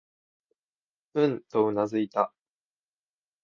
うん、とうなずいた。